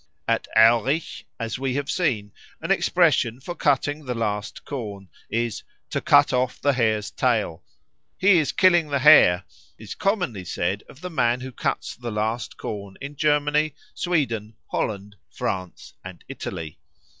At Aurich, as we have seen, an expression for cutting the last corn is "to cut off the Hare's tail." "He is killing the Hare" is commonly said of the man who cuts the last corn in Germany, Sweden, Holland, France, and Italy.